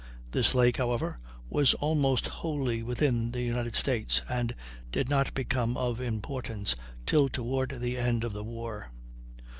This lake, however, was almost wholly within the United States, and did not become of importance till toward the end of the war.